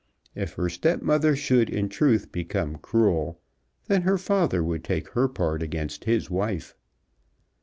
If her stepmother should in truth become cruel, then her father would take her part against his wife.